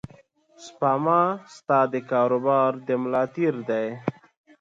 سپما ستا د کاروبار د ملا تیر دی.